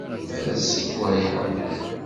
Ad sewwayeɣ.